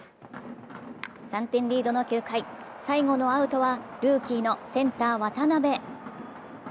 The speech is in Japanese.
３点リードの９回、最後のアウトはルーキーのセンター・渡部。